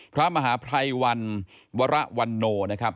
พระมหาภัยวันวรวันโนนะครับ